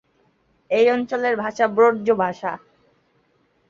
এই অঞ্চলের ভাষা ব্রজ ভাষা।